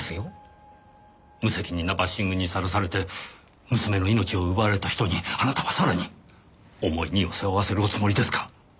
無責任なバッシングにさらされて娘の命を奪われた人にあなたはさらに重い荷を背負わせるおつもりですか！